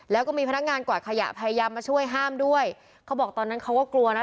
แล้วก็มีพนักงานกวาดขยะพยายามมาช่วยห้ามด้วยเขาบอกตอนนั้นเขาก็กลัวนะ